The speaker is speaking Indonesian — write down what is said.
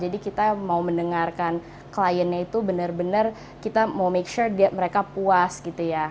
jadi kita mau mendengarkan kliennya itu benar benar kita mau pastikan mereka puas gitu ya